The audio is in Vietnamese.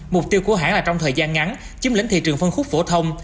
mục tiêu của hãng là trong thời gian ngắn chiếm lĩnh thị trường phân khúc phổ thông